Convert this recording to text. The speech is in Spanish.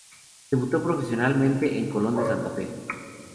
Debutó profesionalmente en Colón de Santa Fe.